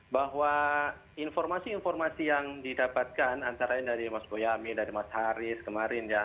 bahwa informasi informasi yang didapatkan antara dari mas boyamin dari mas haris kemarin ya